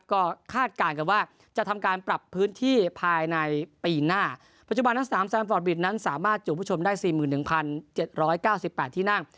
ก็คาดการณ์กันว่าจะทำการปรับพื้นที่ภายในปีหน้าปัจจุบันทั้งสามแซมฟอร์ดวิดนั้นสามารถจูบผู้ชมได้สี่หมื่นหนึ่งพันเจ็ดร้อยเก้าสิบแปดที่นั่ง